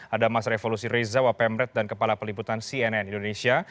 ada mas revolusi reza wapemret dan kepala peliputan cnn indonesia